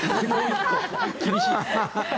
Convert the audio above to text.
厳しい。